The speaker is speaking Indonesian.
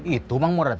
itu mang murad ya